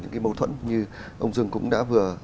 những cái mâu thuẫn như ông dương cũng đã vừa